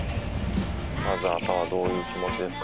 「まずはさあどういう気持ちですか？」